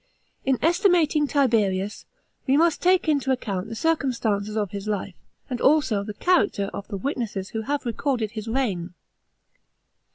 § 26. In estimating Tiberius, we must take into account the cir cumstances of his life, and a'so the character of the witnesses who have recorded his rei^n.